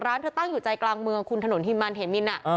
ร้านเธอตั้งอยู่ใจกลางเมืองคุณถนนฮิมันเฮมิน